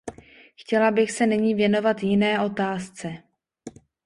Chtěla bych se nyní věnovat jiné otázce.